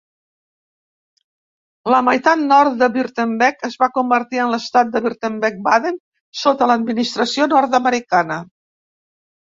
La meitat nord de Württemberg es va convertir en l'estat de Württemberg-Baden sota l'administració nord-americana.